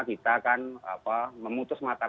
kita kan memutus mataran